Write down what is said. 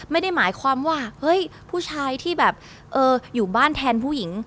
ไม่ได้หมายความว่าเฮ้ยผู้ชายที่แบบเอออยู่บ้านแทนผู้หญิง